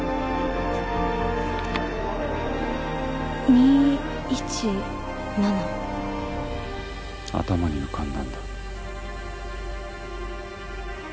２１７？頭に浮かんだんだ。